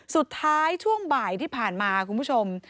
ช่วงบ่ายที่ผ่านมาคุณผู้ชม